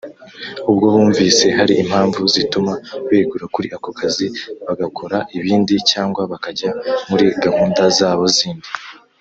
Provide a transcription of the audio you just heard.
ubwo bumvise hari impamvu zituma begura kuri ako kazi bagakora ibindi cyangwa bakajya muri gahunda zabo zindi